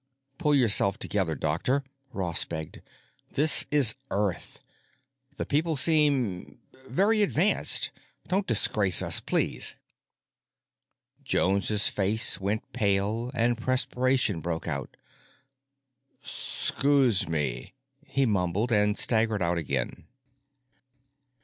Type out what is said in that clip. "Pull yourself together, doctor," Ross begged. "This is Earth. The people seem—very advanced. Don't disgrace us. Please!" Jones's face went pale and perspiration broke out. "'Scuse me," he mumbled, and staggered out again.